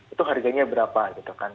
itu harganya berapa gitu kan